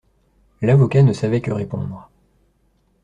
L'avocat ne savait que répondre.